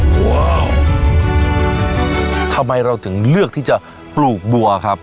ทำไมเราถึงเลือกที่จะปลูกบัวครับ